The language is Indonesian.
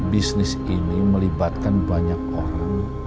bisnis ini melibatkan banyak orang